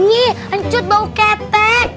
nih ancut bau ketek